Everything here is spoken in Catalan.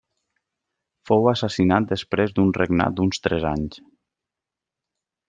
Fou assassinat després d'un regnat d'uns tres anys.